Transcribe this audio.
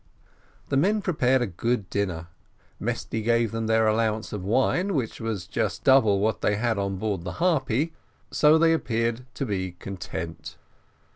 The men prepared a good dinner; Mesty gave them their allowance of wine, which was just double what they had on board the Harpy so they soon appeared to be content.